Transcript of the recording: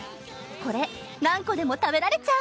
これ何個でも食べられちゃう！